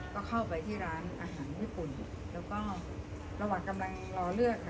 ก็เข้าไปที่ร้านอาหารญี่ปุ่นแล้วก็ระหว่างกำลังรอเลือด